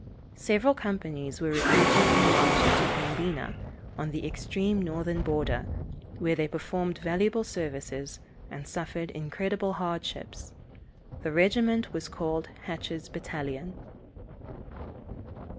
Several companies were recruited and marched to Pembina, on the extreme northern border, where they performed valuable services, and suffered incredible hardships. The regiment was called Hatch's Battalion.